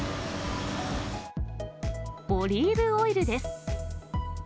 オリーブオイルです。